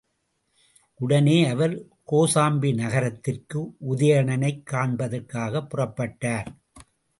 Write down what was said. உடனே அவர் கோசாம்பி நகரத்திற்கு உதயணனைக் காண்பதற்காகப் புறப்பட்டார்.